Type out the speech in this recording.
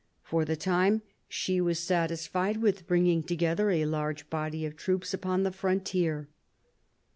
For the time, she was satisfied with bringing together a large body of troops upon the frontier.